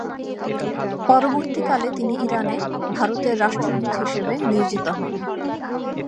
পরবর্তীকালে তিনি ইরানে ভারতের রাষ্ট্রদূত হিসেবে নিয়োজিত হন।